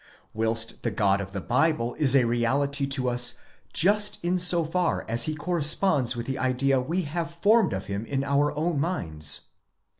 whilst the God of the Bible is a reality to us just in so far as he corresponds with the idea we have formed of him in our own minds.